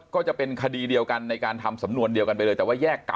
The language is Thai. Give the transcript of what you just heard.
ก็จะเป็นคดีเดียวกันในการทำสำนวนเดียวกันไปเลยแต่ว่าแยกกลับ